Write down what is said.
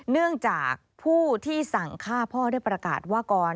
เนื่องจากผู้ที่สั่งฆ่าพ่อได้ประกาศว่าก่อน